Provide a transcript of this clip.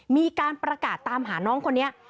มีการประกาศตามหาน้องคนนี้